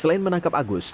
selain menangkap agus